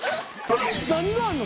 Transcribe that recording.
何があんの？